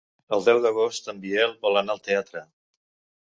El deu d'agost en Biel vol anar al teatre.